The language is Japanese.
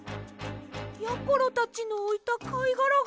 やころたちのおいたかいがらが。